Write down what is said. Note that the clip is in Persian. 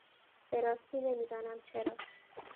به راستی نمیدانم چرا...